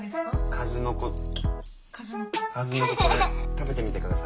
数の子これ食べてみて下さい。